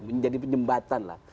menjadi penyembatan lah